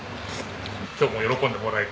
今日も喜んでもらえて。